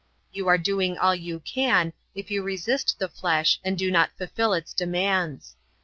You are doing all you can if you resist the flesh and do not fulfill its demands.